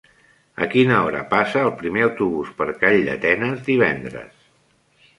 A quina hora passa el primer autobús per Calldetenes divendres?